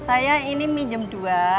saya ini minjem dua